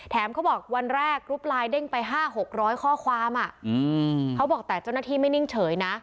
แถมเขาบอกวันแรกลูปลายเด้งไปห้าหกร้อยข้อความอ่ะเขาบอกแต่เจ้าหน้าที่ไม่นิ่งเฉยนะ